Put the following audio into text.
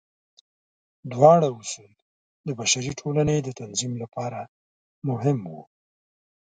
دواړه اصول د بشري ټولنې د تنظیم لپاره مهم وو.